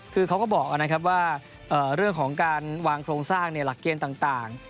คือเขาก็บอกนะครับว่าเรื่องของการวางโครงสร้างหลักเกณฑ์ต่าง